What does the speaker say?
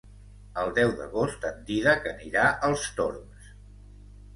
El deu d'agost en Dídac anirà als Torms.